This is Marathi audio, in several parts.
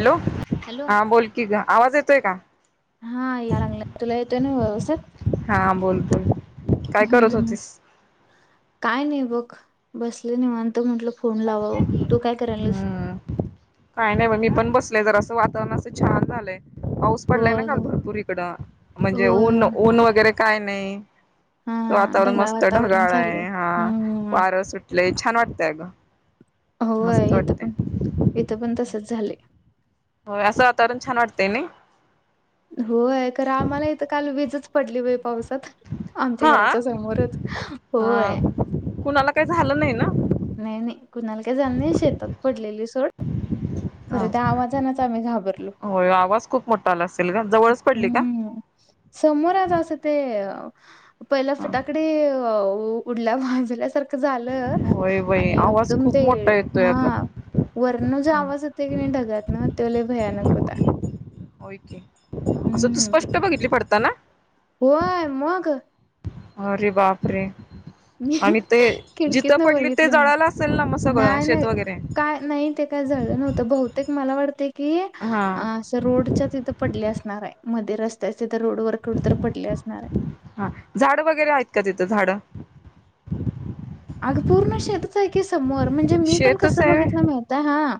हॅलो, हॅलो हा बोलकी ग. आवाज येतोय का? हां याय लागलाय, तुला येतोय ना व्यवस्थित? हां बोल बोल काय करत हम्म होतीस? काय नाही बघ, बसले निवांत म्हंटलं फोन लावावं तू काय कराल्यास? हम्म काय नाही बघ मी पण बसले जरा असं वातावरण असं छान झालंय. पाऊस पडलाय ना होय काल होय भरपूर इकडं म्हणजे होय ऊन होय ऊन वगैरे काय नाही. हा वातावरण ढगाळ मस्त वातावरण ढगाळ झालंय आहे, हां हम्म वारं सुटलंय छान वाटतंय अगं. मस्त होय इथं वाटतंय. पण इथं पण तसंच झालंय. होय असं वातावरण छान वाटतंय नाही? होय खरं आम्हाला इथं काल वीजच पडली बाई पावसात. आमच्या हा घराच्या समोरच अ होय. कुणाला काही झालं नाही ना नाही नाही कुणाला काय झाल नाही, शेतात पडलेली सोड. खरं त्या ह आवाजानच आम्ही घाबरलो. होय आवाज खूप मोठा आला असेल ग, जवळच पडली का? समोरच अस ते पहिला हा फटाकडी उडल्या भाजल्यासारखं झालं होय बाई आणि आवाज एकदम खूप ते मोठा येतोय अगं. हां वरन जो आवाज येतोय की नाही ढगातन त्यो लई भयानक होता. होय की, असं तू हम्म स्पष्ट बघितली पडताना? होय मग! अरे बाप रे. मी आणि ते जिथं खिडकीत न पडली ते बघितले मग जळाल असेल ना मग सगळं नाही शेत नाही वगैरे? काय नाही ते काय जळलं नव्हतं बहुतेक मला वाटतंय की हा त्या रोडच्या तिथं पडली असणार आहे, मध्ये रस्त्याच्या तिथं रोड वर कुठं तर पडली असणार आहे. झाडं वगैरे आहेत का तिथं झाडं? अगं पूर्ण शेतच आहे की समोर म्हण जे मी पण शेतच कसं आहे बघितलं व्हय माहितीये हां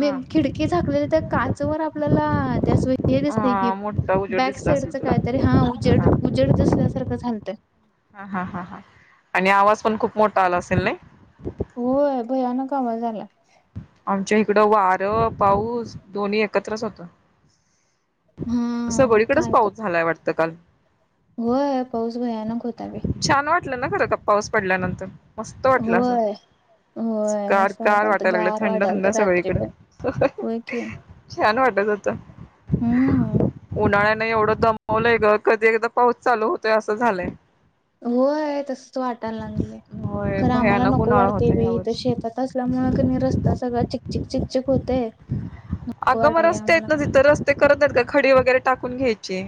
मी हा खिडकी झाकलेली तर काचवर आपल्याला ते अस हे दिसतंय की हा मोठा उजेड बॅक दिसला साईडच असेल काय तुला तर ते हां उजेड हा उजेड दिसल्यासारखं झालतं. हां हां हां हां आणि आवाज पण खूप मोठा आला असेल नाही? होय भयानक आवाज आला. आमच्या इकडं वारं पाऊस दोन्ही एकत्रच होतं. हा मग सगळीकडेच काय तर पाऊस झालाय वाटतं काल. होय पाऊस भयानक होता बाई. छान वाटलं ना खरं का पाऊस पडल्यानंतर मस्त वाटलं असं. होय. अस होय गार मस्त गार वाटालत वाटायला लागलं गार थंड थंड वाटालत रात्री सगळीकडं. पण होय की. छान वाटत होतं हम्म उन्हाळ्यान एवढं दम मवलय ग कधी एकदा पाऊस चालू होतोय असं झालंय. होय तसंच वाटायला लागलंय, होय खरं आम्हाला भयानक नको उन्हाळा वाटतंय होता या बाई इथं वर्षी. शेतात असल्यामुळे की नाही रस्ता सगळा चिकचिक चिकचिक होतंय. अगं मग रस्ते आहेत ना तिथं, रस्ते करत नाहीत का? खडी वगैरे टाकून घ्यायची.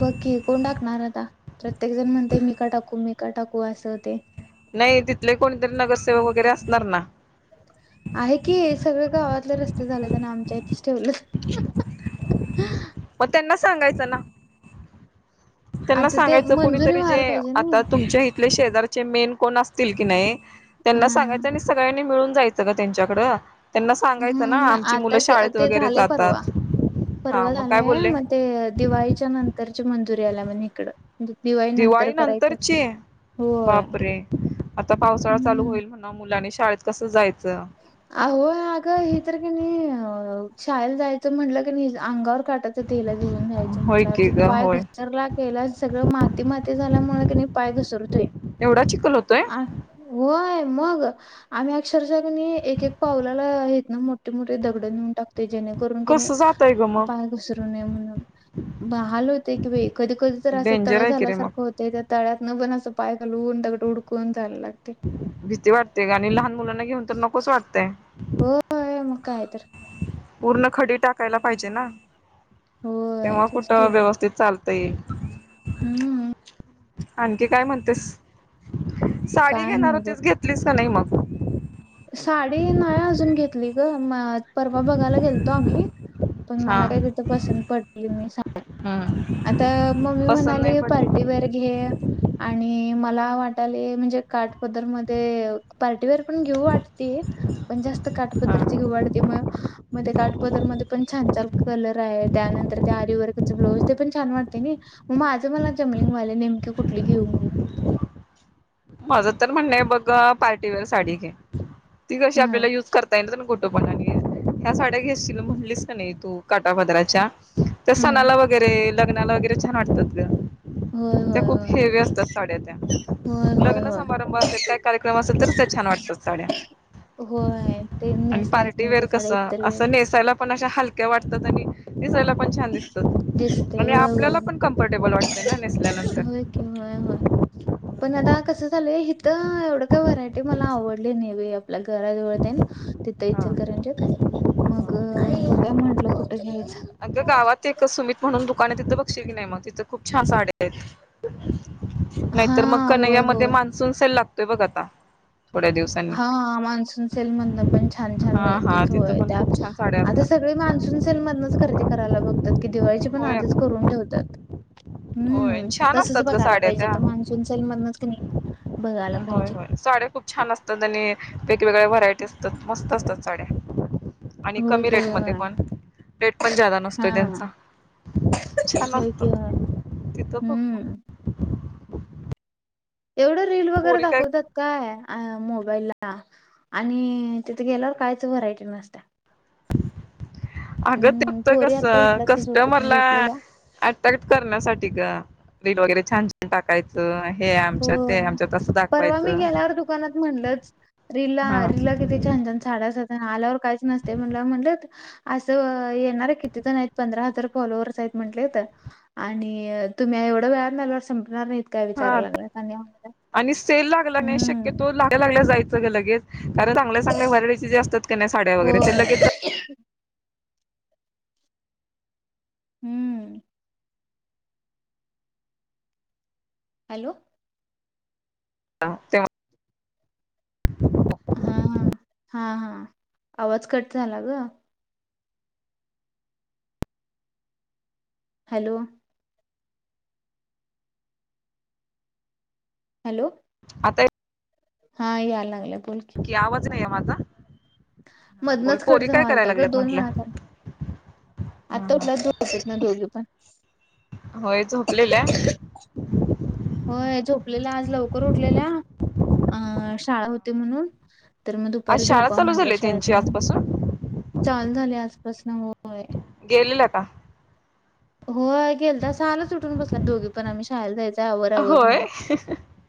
बघ की कोण टाकणार आता प्रत्येक जण म्हणतंय मी का टाकू मी का टाकू असं होतंय. नाही तिथले कोणीतरी नगरसेवक वगैरे असणार ना? आहे की सगळं गावातले रस्ते झालेत आणि आमच्या इथेच ठेवलेत. मग त्यांना सांगायचं ना. त्यांना आता ते सांगायचं मंजुरी कुणीतरी जे व्हायला पाहिजे नी. आता तुमच्या ही आपले शेजारचे मेन कोण असतील की नाही त्यांना हा. सांगायचं आणि सगळ्यांनी मिळून जायच. सगळं त्यांच्याकडं. त्यांना सांगायचं ना हम्म. आमची आता मुलं शाळेत ते वगैरे झालंय परवा. जातात. हा. परवा मग काय झालंय बोलले? मग ते दिवाळीच्या नंतरची मंजुरी आल्या म्हणे इकडं. दिवाळी नंतर करायचं. होय. बापरे आता पावसाळा चालू हम्म. होईल म्हणाव. मुलांनी शाळेत कसं जायचं? अहो. अगं, हे तर की नाही शाळेला जायचं म्हटलं कि नाही अंगावर काटाच येतोय हीला घेऊन जा्यायचे होय की म्हटवर ग पाय होय घसरला केला. सगळं माती माती झाल्यामुळे त्यांनी पाय घसरतोय. एवढा चिखल होतोय? आ होय मग. आम्ही अक्षर एक एक पावलाला आहेत ना मोठे मोठे दगड नेऊन टाक ते जेणेकरून कनी कसं जातय ग मग पाय घसरू नये म्हणून. ब हाल होते कि कधी कधी तर असं डेंजर तळ आहे की रे मग झाल्यासारखं होत. ते त्या तळ्यात न बन असं पाय घालवून दगडं हूडकून जायला लागते. भीती वाटते गं. आणि लहान मुलांना घेऊन तर नकोस वाटतंय. होय. मग काय तर. पूर्ण खडी टाकायला पाहिजे ना. होय तेव्हा तेच कुठं व्यवस्थित चाल ते. हम्. आणखी काय म्हणतेस? साडी काय घेणार नाही बघ. होतीच घेतलीस का नाही मग? साडी नाही अजून घेतली गं म परवा बघायला गेलतो आम्ही पण हा मला काय तिथं पसंत पडली नाही हम्म आता मम्मी पसंत नाही म्हणाली पडली पार्टी वेअर घे. आणि मला वाटले म्हणजे काट पदर मध्ये पाटीवेअर प घेवु वाटते. पण जास्त हा काटपदराची घेऊ वाटते. मग मग त्या काठपदर मध्ये पण छान छान कलर आहे. त्यानंतर त्या आरी वर्क ब्लाउज ते पण छान वाटते नाही. मग माझं मला जमलिंगव्हालय नेमके कुठली घेऊ? माझ तर म्हणनं हाय बघ पार्टीवेअर साडी घे. ती कशी आपल्याला हा युज करता त ना कुठपणाने ह्या साड्या घ्यायशील म्हटलीस का नाही तू काठपदराच्या तर हम्म सणाला वगैरे लग्नाला वगैरे छान वाटतात होय गं. त्या होय खूप हेवी असतात साड्या त्या. होय होय होय लग्न होय समारंभ असेल काय कार्यक्रम असेल तरचं त्या छान वाटतात साड्या. होय ते आणि नेसता येत पार्टी नाही ते वेअर साड्या कसं इतर वेळ असं नेसायला पण अशा हलक्या वाटतात आणि दिसायला पण छान दिसतात. दिसते आणि होय होय आपल्याला पण कम्फर्टेबल वाटत ना नेसल्यानंतर. कि होय होय. पण आता कसं झालंय इथं एवढं काय व्हरायटी मला आवडली न आपल्या घरा जवळ तेन. तिथं हा इचलकरंजीत मग बघूया म्हटलं कुठं घ्यायचं? अगं गावात एक सुमित म्हणून दुकान आहे तिथं बघशील कि ना तिथं खूप छान साड्या आहेत. हा नाहीतर मग होय कनैय्यामध्ये होय मान्सून सेल लागतोय बघ आता थोड्या दिवसात. हा मान्सून सेल मधन पण छान छान हा मिळतील हा तिथं होय. पण त्या खूप छान साड्या आ असतात सगळी मान्सून सेल मधनचं खरेदी करायला बघ. कि दिवाळीची पण होय आधीच अगं करून ठेवतात. होय हम्म. छान तसचं असतात ग बघायला साड्या त्या पाहिजे मा कुचल मध्यनच कनी होय होय साड्या खूप छान असतात आणि वेगवेगळ्या व्हरायटी असतात मस्त असतात. साड्या, आणि होय कमी कि रेट मध्ये होय पण, रेट पण जादा हा नसतोय त्यांचा. छान होय असत कि होय तिथं बघू? हम्म एवढं रील वगैरे पोरी काय दाखवतात. काय आ मोबाईल ला, आणि तिथे गेल्यावर कायचं व्हरायटी नसत्या. अंग हम्म तिथ पोरी आत्ता कसं उठल्यात की झोपेतून कस्टमरला झोपलेल्या अट्रॅक्ट करण्यासाठी गं, रील वगैरे छान छान टाकायचं हे हो आमच्या ते आमच्यात अस. परवा मी गेल्यावर दुकानात म्हणलंच, रीला हा रीला किती छान छान साड्या असतात. आल्यावर काहीचं नसतय म्हणल्या वर म्हणलत असं येणारे किती जण आहेत पंधरा हजार फॉलोवर्स आहेत म्हटलीत. आणि तुम्ही एवढं वेळान आल्यावर संपणार नाहीत काय हा विचारय लागला आणि आम्हाला? आणि सेल लागला नाही हम्म शक्यतो लागला लागल्या जायचं ग लगेच कारण चांगल्या चांगल्या वरीएटी जे असत्यात की साड्या वगैरे ते लगेच जा [inaudible] हम्म. हॅलो. आत्या. [inaudible] अ, हा हा, आवाज कट झाला गं हॅलो. हॅलो. आता ये हा यायला लागलाय बोल कि? कि आवाज नाही ये माझा, हा बोल मधनच कट पोरी काय व्हालता करायला ग लागल्यात दोन म्हंटलं? वेळा झाला हा आता हा उठल्यात झोपेतनं दोघी पण. होय झोपलेल्या. होय झोपलेल्या आज लवकर उठलेल्या, अ शाळा होती म्हणून. तर म आज दुपारी शाळा झोपाव चालू म्हंटलं झाली शाळेत त्यांची न, आजपासून चालू झाले आजपास न होय. गेलेल का? होय गेलत्या सहालाच उठून बसल्यात दोघ पण आम्ही शाळला जायचं आवर आवर होय म्हणून.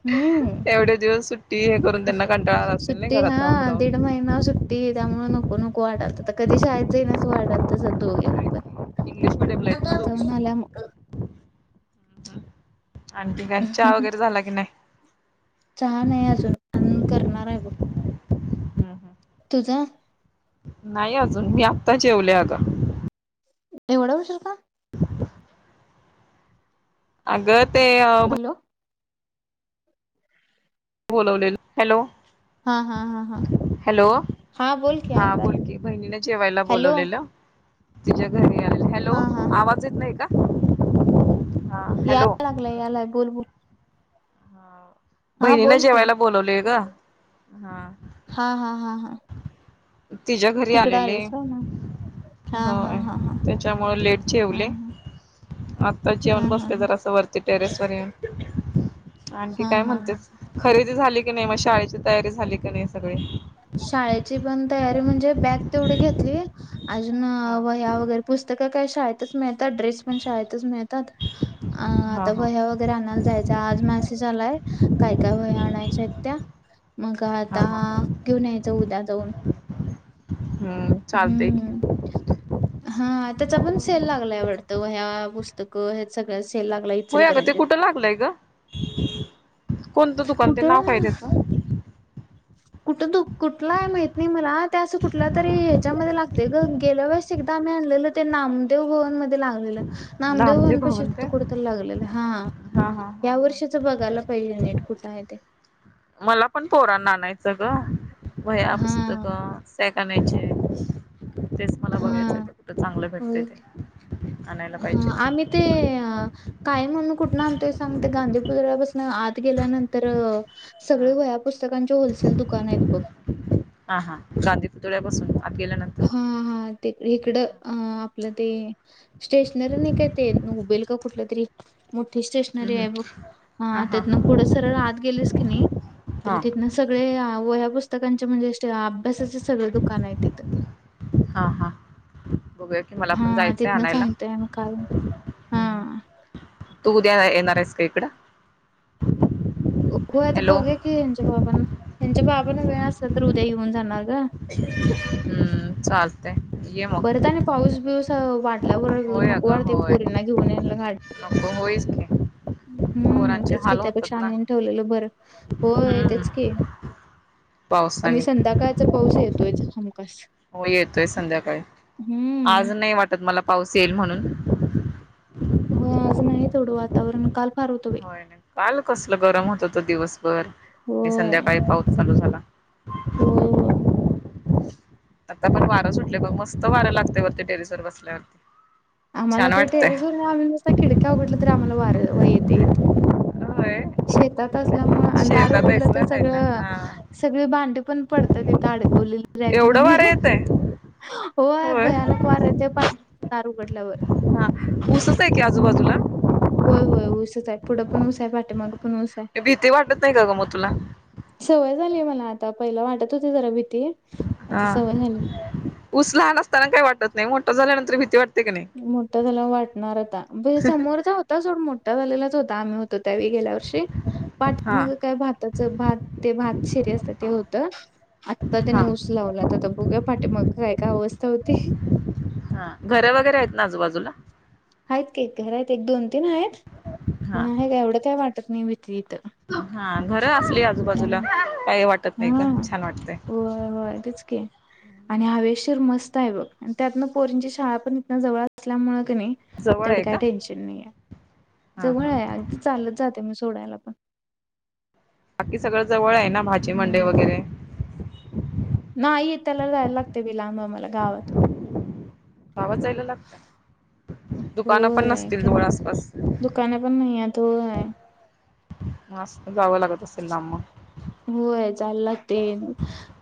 हम्म, एवढे दिवस सुट्टी हे करून त्यांना कंटाळा आला असेल नाही सुट्टी घरात राहून हा दीड राहून महिना सु टी त्यामुळे नको नको वाटालतं त कधी शाळेत जाईन अस वाटलत स दोघीना पण. इंग्शलिश मिडीयमला आता जाऊन आल्या म. आणखी काय चहा वगैरे झाला की नाही? चहा नाही अजून, अन् करणार आहे ब. हम्म, हम्म. तुझा? नाही अजून मी आत्ता जेवले आगं. एवढा उशर का? [inaudible] अगं ते अ हॅलो. बोलवलेल, हॅलो. हा हा हा हा. हॅलो, हा बोल की हा बोल ऐकायला की बहिणीने जेवायला हॅलो बोलवलेलं. तिच्या घरी आलो. हॅलो हा हा हा आवाज येत नाही का? हा हॅलो यायला लागलाय, यायला लागलाय बोल बोल. [inaudible] हा बहिणीनं बोल की जेवायला बोलवलय गं. हा हा हा हा हा. तिच्या घरी तिकडं आलेले आलीस होय मग. हा हो हा होय. हा हा त्याच्यामुळे लेट हा जेवले. आत्ताच हा जेवून हा हा बसले जरासं वर टेरेस वर येऊन. आणखी हा काय हा हा म्हणतेस? खरेदी झाली की नाही? मग शाळेची तयारी झाली की नाही सगळी? शाळेची पण तयारी म्हणजे बॅग तेवढी घेतली. अजून हा वह्या वगैरे पुस्तकं काही शाळेतच मिळतात. ड्रेस पण शाळेतच मिळतात. अ हा आता हा वह्या वगैरे आणायला जायचंय. आज मॅसेज आलाय काय काय वह्या आणायच्या आहेत त्या. मग हा आता हा घेऊन यायचं उद्या जाऊन ऊन हम्म, चालतय की. हम्म हा. त्याचा पण सेल लागलाय वाटतंय वह्या पु इथं हे सगळं सेल लागलाय होय अगं ते इचलकरंजीत. कुठं लागलंय गं? कोणतं दुकान ते? नाव काय त्याचं? कुठ दु, कुठला आहे माहित नाही मला. ते असं कुठल्या तरी ह्याच्यामध्ये लागतंय ग गेल्या वेळेस आता आम्ही आणलेलं ते नामदेव भवन मध्ये लाग लागलेलं. नामदेव भवन पाशी होतं. तिथं कुठंतरी लागलेलं. हा हा हा हा या हा वर्षीच बघायला पाहिजे, नीट कुठं आहे ते. मला पण पोरांना आणायचं ग. वह्या हा पुस्तक सॅक आणायचे. तेच मला बघायचं, हा कुठं चांगलं भेटतंय होय. ते. आणायला पाहिजे हा आम्ही ते कायम आम्ही कुठनं आणतोय सांग, ते गांधीपुतळ्यापासून आत गेल्यानंतर तर सगळे हा वह्या पुस्तकांचे होलसेल दुकान आहेत बघ. हा हा. गांधी पुतळ्यापासून आत गेल्यानंतर हा हा ते इकडं, आपलं ते स्टेशनरी नाही काय ते, नोबेल का कुठलं तरी मोठी हम्म स्टेशनरी आहे हम्म बघ. हा त्यातन पुढं सरळ आत गेलीस की नाही, तर हा तिथन सगळे वह्या पुस्तकांचे म्हणजे, अभ्यासाचे सगळं दुकान आहे तिथं. हा हा. बघूया. की मला पण हा जायचंय तिथनंच आणायला आणतोय आम्ही कायम. हम्म हम्म. तू उद्या येणार आहेस का इकडं? होय आता हॅलो बघुया की, ह्यांच्या बाबांना, ह्यांच्या बाबांना वेळ असला तर उद्या येऊन जाणार गं. हम्म चालतंय ये मग. परत आणि पाऊस बिऊस हो वाढल्यावर होय नको अगं वाढते होय पोरींना घेऊन ये, घा नको होईच की [inaudible] हम्म पोरांचे तेच की हाल होतात त्यापेक्षा ना आनून ठेवलेलं बरं. होय, हम्म तेच की. आणि पावसाने संध्याकाळचा पाऊस येतोयच हमखास. हो येतोय संध्याकाळी. हम्म. आज नाही वाटत मला, पाऊस येईल म्हणून होय आज नाही, तेवढं वातावरण काल फार होतं बाई. होय काल कसलं गरम होत होतं दिवसभर, नी होय संध्याकाळी पाऊस चालू झाला. होय. होय. आता पण वारं सुटलय बघ. मस्त वार लागतंय वरती टेरेस वर बसल्यावर. आम्हाला तर टेरेसवर नाही. आम्ही नुसत खिडक्या उघडल्या तरी आम्हाला वार येते इथे. होय शेतात असल्यामुळं आणि दार शेतात आहेस उघडलं तर ना खायला सगळं हा. सगळी भांडी पण पडतात. इथे अडकवलेली रॅक एवढं मधली, वारं हं हं. येतय व्हय होय भयानक वार येतय. पार दार उघडल्यावर. हां. ऊसच आहे की हम्म. आजूबाजूला. होय होय. ऊसच आहे पुढं पण ऊस हाय. पाठीमागं पण ऊस हाय. तर भीती वाटत नाही का गं मग तुला? सवय झाली आहे मला आता, पहिलं वाटत होती जरा भीती. आता हां. सवय झाली. ऊस लहान असताना काही वाटत नाही. मोठ झाल्यानंतर भीती वाट मोठ झाल्यावर वाटणार आता, समोरचा होता सोड मोठा झालेलाच होता आम्ही तो त्यावेळी गेल्या वर्षी हा पाठीमागं काय, भाताच भात ते भात शिरी असतं ते होतं. आत्ता हा. त्यांनी ऊस लावला तर, आता बघुया पाठीमागं काय काय अवस्था होती ते. हां. घर वगैरे आहेत ना आजूबाजूला. हायत की घर आहेत एक दोन तीन आहेत. पण हा. आहे का एवढं काय वाटत नाही भीती इथं. हां. घर असली की आजूबाजूला हम्म काही वाटत नाही हा गं! छान वाटतय. होय होय तेच की! आणि हवेशीर मस्त आहे बघ. आणि त्यातन पोरींची शाळा पण इथं जवळ असल्यामुळे क नी जवळ तेवढं आहे काय का? टेन्शन नाही आहे. हा जवळ हा आहे अगदी चालत जाते मी सोडायला पण. बाकी सगळं जवळ आहे ना, भाजी मंडई हम्म वगैरे. नाही. वित्याला जायला लागतंय बी लांब आम्हाला गावात. गावात जायला लागतंय. होय. तेन आसपास दुकाने पण नाही हायत होय. मस्त जावं लागत असेल, लांब मग. होय जायला लागतंय.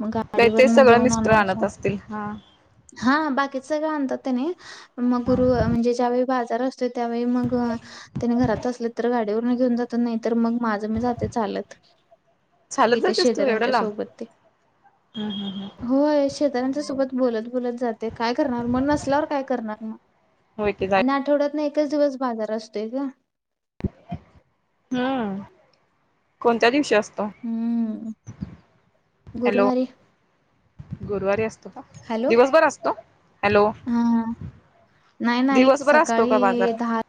मग गाडीवरन जाऊन आणायचं. हे हां. हां. बाकीच सगळ आणतात त्यांनी मग हा गुरु म्हणजे ज्यावेळी बाजार अस तो त्यावेळी मंग त्यांनी घरात असले तर गाडीवरून घेऊन जातात. नाही तर मग माझं मी जाते चालत. चालत इथे शेजऱ्यांच्या सोबत ते हं हं हं. होय. शेजऱ्यांच्या सोबत बोलत बोलत जाते. काय करणार मगं नसल्यावर काय करणार म- होय की जाय आणि आठवड्यात न एकच दिवस बाजार असतोय गं. हं. कोणत्या दिवशी असतो. हम्म हॅलो गुरुवारी गुरुवारी अस तो का हॅलो दिवसभर असतो? हॅलो. हा नाही नाही दिवसभर असतो का सकाळी बाजार? दहा